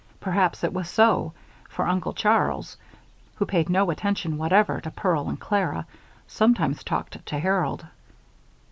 Perhaps it was so, for Uncle Charles, who paid no attention whatever to Pearl and Clara, sometimes talked to Harold.